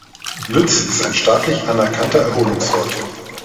Lütz ist ein staatlich anerkannter Erholungsort.